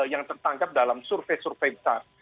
yang tertangkap dalam survei survei besar